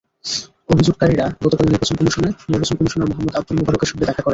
অভিযোগকারীরা গতকাল নির্বাচন কমিশনে নির্বাচন কমিশনার মোহাম্মদ আবদুল মোবারকের সঙ্গে দেখা করেন।